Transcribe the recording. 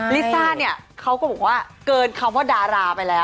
ลิซ่าเนี่ยเขาก็บอกว่าเกินคำว่าดาราไปแล้ว